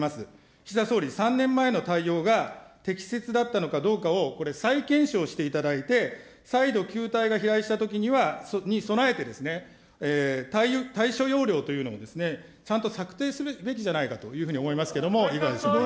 岸田総理、３年前の対応が適切だったのかどうかを、これ、再検証していただいて、再度、球体が飛来したときに備えて、対処要領というのをちゃんと策定するべきじゃないかと思いますけれども、いかがでしょうか。